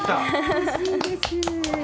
うれしいです！